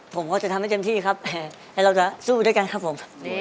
ผมก็จะทำให้เต็มที่ครับแล้วเราจะสู้ด้วยกันครับผม